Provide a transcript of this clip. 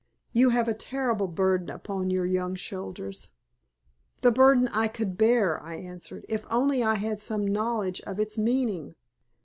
You have a terrible burden upon your young shoulders." "The burden I could bear," I answered, "if only I had some knowledge of its meaning.